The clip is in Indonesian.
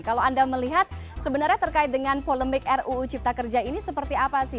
kalau anda melihat sebenarnya terkait dengan polemik ruu cipta kerja ini seperti apa sih